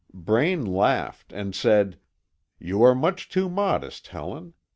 Braine laughed and said: "You are much too modest, Helen.